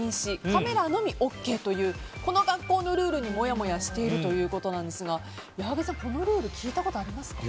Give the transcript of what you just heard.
カメラのみＯＫというこの学校のルールにもやもやしているということですが矢作さん、このルール聞いたことありますか？